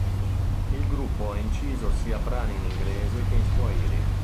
Il gruppo ha inciso sia brani in inglese che in swahili.